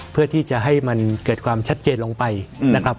เพื่อที่จะให้มันเกิดความชัดเจนลงไปนะครับ